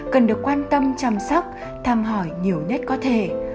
cần được quan tâm chăm sóc thăm hỏi nhiều nhất có thể